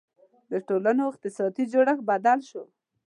• د ټولنو اقتصادي جوړښت بدل شو.